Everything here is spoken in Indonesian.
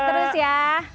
sukses terus ya